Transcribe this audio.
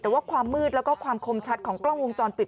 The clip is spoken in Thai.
แต่ว่าความมืดแล้วก็ความคมชัดของกล้องวงจรปิด